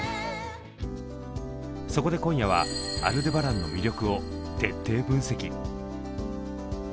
そこで今夜は「アルデバラン」の魅力を徹底分析！